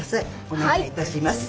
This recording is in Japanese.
おねがいいたします。